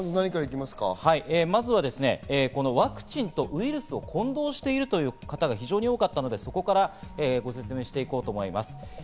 まずはワクチンとウイルスを混同しているという方が非常に多かったので、そこからご説明していきます。